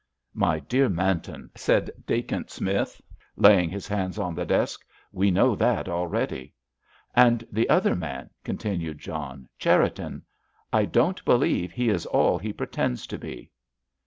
"My dear Manton," said Dacent Smith, laying his hands on the desk, "we know that already." "And the other man," continued John, "Cherriton. I don't believe he is all he pretends to be."